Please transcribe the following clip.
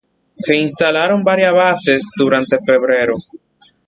Se instalaron varias bases durante febrero.